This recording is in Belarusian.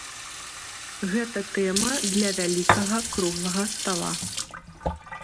Гэта тэма для вялікага круглага стала.